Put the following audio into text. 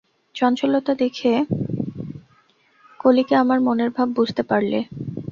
চঞ্চলতা দেখে কলিকা আমার মনের ভাব বুঝতে পারলে।